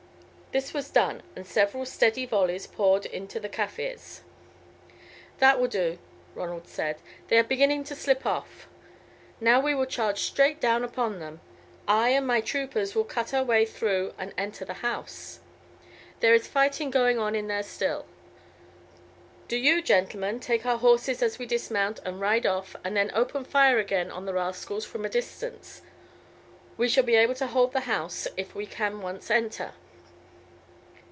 This was done, and several steady volleys poured into the Kaffirs. "That will do," Ronald said; "they are beginning to slip off. Now we will charge straight down upon them; I and my troopers will cut our way through and enter the house. There is fighting going on in there still. Do you, gentlemen, take our horses as we dismount, and ride off, and then open fire again on the rascals from a distance. We shall be able to hold the house if we can once enter."